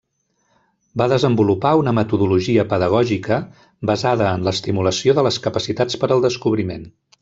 Va desenvolupar una metodologia pedagògica basada en l'estimulació de les capacitats per al descobriment.